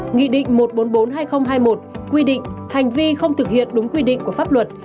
nghị định một trăm bốn mươi bốn hai nghìn hai mươi một quy định hành vi không thực hiện đúng quy định của pháp luật